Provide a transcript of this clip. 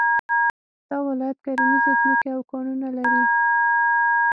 دا ولايت کرنيزې ځمکې او کانونه لري